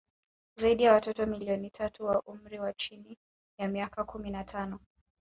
Zaidi ya watoto milioni tatu wa umri wa chini ya miaka kumi na tano